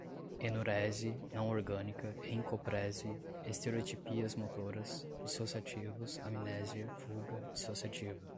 enurese, não-orgânica, encoprese, estereotipias motoras, dissociativos, amnésia, fuga, dissociativa